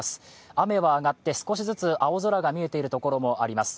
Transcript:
雨は上がって、少しずつ青空が見えているところもあります。